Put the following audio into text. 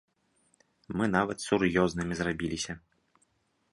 Мы нават сур'ёзнымі зрабіліся.